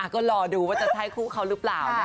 ก็รอดูว่าจะใช่คู่เขาหรือเปล่านะ